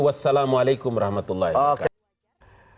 assalamualaikum warahmatullahi wabarakatuh